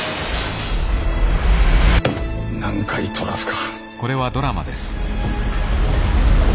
南海トラフか。